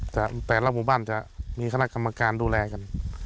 แต่ละหมู่บ้านจะมีคณะกรรมการดูแลกัน